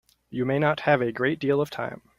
You may not have a great deal of time.